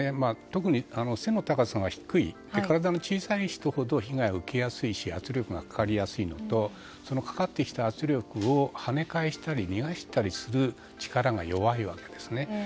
特に、背の高さが低い体の小さい人ほど被害を受けやすいし圧力がかかりやすいのとそのかかってきた圧力を跳ね返したり逃がしたりする力が弱いわけですね。